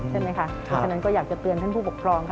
ใช่ไหมคะฉะนั้นก็อยากจะเตือนท่านผู้ปกครอง